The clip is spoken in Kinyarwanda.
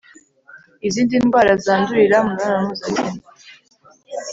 izindi ndwara zandurira mu mibonano mpuzabitsina